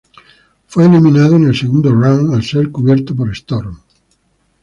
Fue eliminado en el segundo round al ser cubierto por Storm.